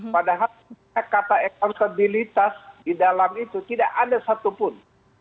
padahal kata ekontabilitas di dalam itu tidak ada satupun